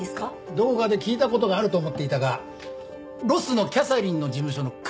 どこかで聞いた事があると思っていたがロスのキャサリンの事務所のクライアントだ。